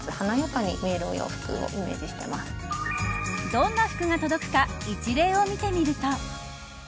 どんな服が届くか一例を見てみると。